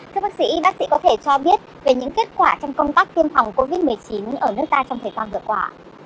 thưa bác sĩ bác sĩ có thể cho biết về những kết quả trong công tác tiêm phòng covid một mươi chín ở nước ta trong thời gian vừa qua